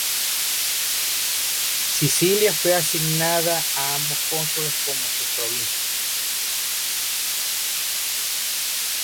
Sicilia fue asignada a ambos cónsules como sus provincias.